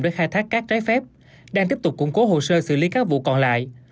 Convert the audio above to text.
để khai thác cát trái phép đang tiếp tục củng cố hồ sơ xử lý các vụ còn lại